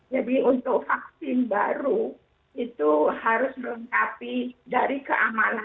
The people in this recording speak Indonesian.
jadi untuk vaksin baru itu harus lengkapi dari keamanan